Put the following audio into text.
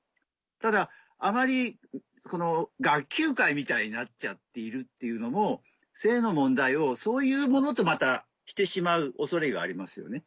ただあまり学級会みたいになっちゃっているっていうのも性の問題をそういうものとまたしてしまう恐れがありますよね。